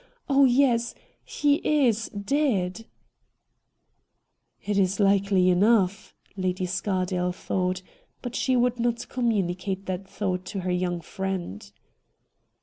Oh yes — he is dead !' 'It is hkely enough,' Lady Scardale thought ; but she would not communicate that thought to her young friend.